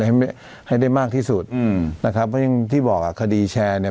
ให้ให้ได้มากที่สุดอืมนะครับเพราะอย่างที่บอกอ่ะคดีแชร์เนี่ย